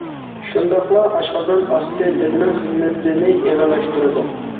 شۇنداقلا ئاشقازان ئاستى بېزىنىڭ خىزمىتىنى ئېغىرلاشتۇرىدۇ.